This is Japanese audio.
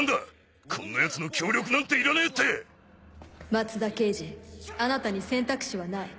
松田刑事あなたに選択肢はない。